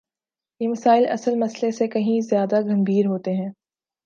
یہ مسائل اصل مسئلے سے کہیں زیادہ گمبھیر ہوتے ہیں۔